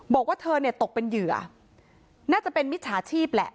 บอกว่าเธอเนี่ยตกเป็นเหยื่อน่าจะเป็นมิจฉาชีพแหละ